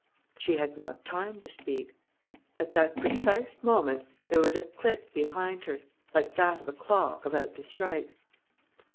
She had not time to speak. At that precise moment, there was a click behind her, like that of a clock about to strike.